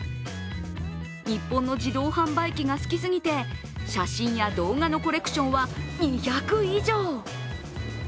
日本の自動販売機が好きすぎて写真や動画のコレクションは２００以上。